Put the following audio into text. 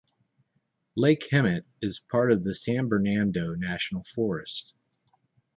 Lake Hemet is part of the San Bernardino National Forest.